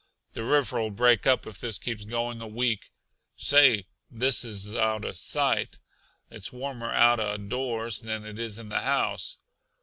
The river'll break up if this keeps going a week. Say, this is out uh sight! It's warmer out uh doors than it is in the house.